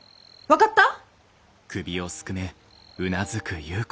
分かった？